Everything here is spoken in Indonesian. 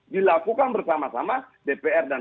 dilakukan bersama sama dpr dan